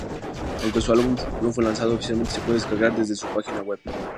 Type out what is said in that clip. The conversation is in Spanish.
Aunque su álbum no fue lanzado oficialmente, se puede descargar desde su página web.